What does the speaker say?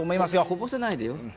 こぼさないでよ。